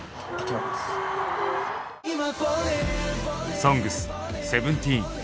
「ＳＯＮＧＳ」ＳＥＶＥＮＴＥＥＮ